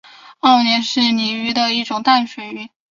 欧鲢是鲤科的一种淡水鱼。